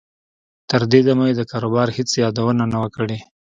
تر دې دمه یې د کاروبار هېڅ یادونه نه وه کړې